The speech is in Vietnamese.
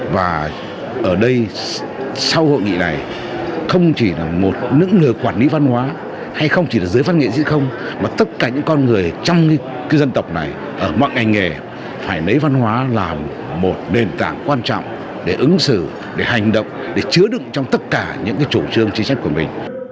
và ở đây sau hội nghị này không chỉ là một những người quản lý văn hóa hay không chỉ là giới văn nghệ sĩ không mà tất cả những con người trong dân tộc này ở mọi ngành nghề phải lấy văn hóa là một nền tảng quan trọng để ứng xử để hành động để chứa đựng trong tất cả những chủ trương chính sách của mình